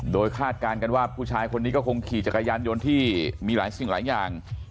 โดยคาดการณ์กันว่าผู้ชายคนนี้ก็คงขี่จักรยานยนต์ที่มีหลายสิ่งหลายอย่าง